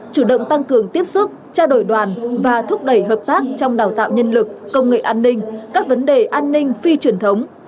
chủ động tăng cường tiếp xúc trao đổi đoàn và thúc đẩy hợp tác trong đào tạo nhân lực công nghệ an ninh các vấn đề an ninh phi truyền thống